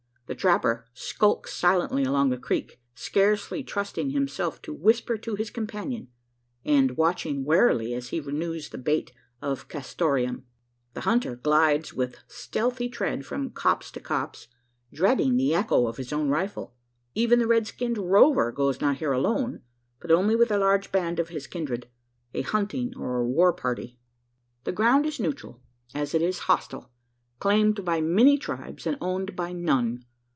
The trapper skulks silently along the creek scarcely trusting himself to whisper to his companion and watching warily as he renews the bait of castoreum. The hunter glides with stealthy tread from copse to copse dreading the echo of his own rifle. Even the red skinned rover goes not here alone, but only with a large band of his kindred a "hunting" or "war party." The ground is neutral, as it is hostile claimed by many tribes and owned by none.